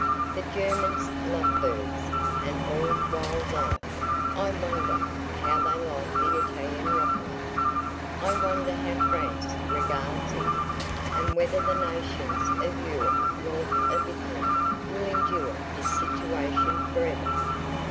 The Germans love birds, and all wild life. I wonder how they like the Italian roccolo. I wonder how France regards it; and whether the nations of Europe north of Italy will endure this situation forever.